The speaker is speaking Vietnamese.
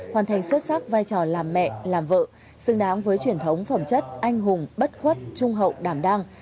hoàn thành xuất sắc vai trò làm mẹ làm vợ xứng đáng với truyền thống phẩm chất anh hùng bất khuất trung hậu đảm đang